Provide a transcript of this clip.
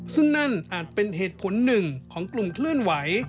ซึ่งนั่นอาจเป็นเหตุผลหนึ่งของกลุ่มเคลื่อนไหว